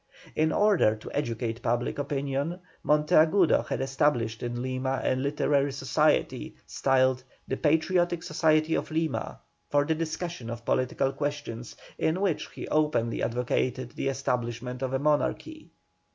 In order to educate public opinion Monteagudo had established in Lima a literary society, styled "The Patriotic Society of Lima," for the discussion of political questions, in which he openly advocated the establishment of a monarchy.